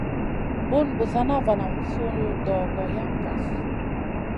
Bun Busana valam su dogo yam vahl.